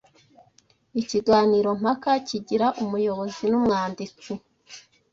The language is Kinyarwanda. Ikiganiro mpaka kigira umuyobozi n’ umwanditsi